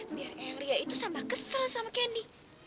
biar eang ria itu sambal kesel sama candy